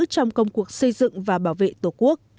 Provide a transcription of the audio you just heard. trong công cuộc xây dựng và bảo vệ tổ quốc